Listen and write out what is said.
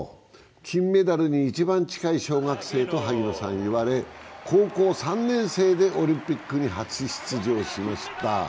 金メダルに一番近い小学生と萩野さんは言われ、高校３年生でオリンピックに初出場しました。